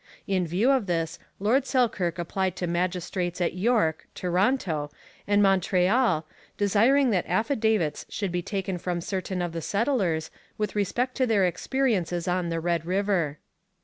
In view of this, Lord Selkirk applied to magistrates at York (Toronto) and Montreal, desiring that affidavits should be taken from certain of the settlers with respect to their experiences on the Red River.